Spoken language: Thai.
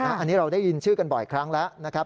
อันนี้เราได้ยินชื่อกันบ่อยครั้งแล้วนะครับ